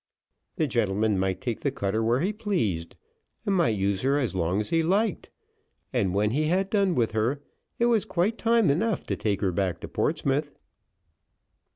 The gentleman might take the cutter where he pleased, and might use her as long as he liked, and when he had done with her it was quite time enough to take her back to Portsmouth."